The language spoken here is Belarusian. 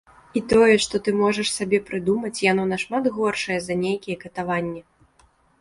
І тое, што ты можаш сабе прыдумаць, яно нашмат горшае за нейкія катаванні.